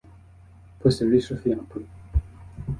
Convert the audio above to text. pour se réchauffer un peu.